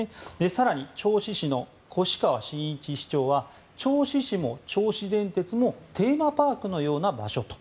更に銚子市の越川信一市長は銚子市も銚子電鉄もテーマパークのような場所と。